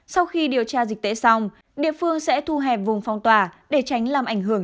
sau khi điều tra dịch tễ xong địa phương sẽ thu hẹp vùng phong tỏa để tránh làm ảnh hưởng